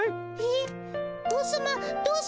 えっ？